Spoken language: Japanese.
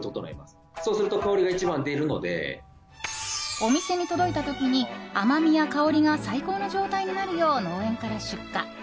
お店に届いた時に甘みや香りが最高の状態になるよう農園から出荷。